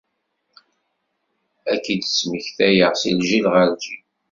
Ad k-id-ttmektayen si lǧil ɣer lǧil.